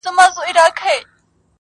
چي له شا څخه یې خلاص د اوږو بار کړ،